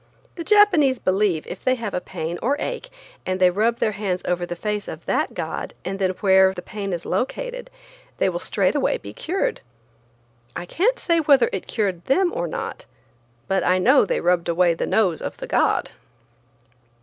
The Japanese believe if they have a pain or ache and they rub their hands over the face of that god, and then where the pain is located, they will straightway be cured. I can't say whether it cured them or not, but I know they rubbed away the nose of the god.